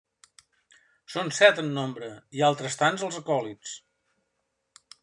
Són set en nombre i altres tants els acòlits.